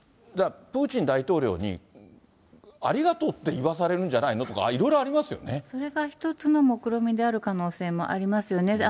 プーチン大統領に、ありがとうって言わされるんじゃないのとか、それが一つの目論見である可能性もありますよね。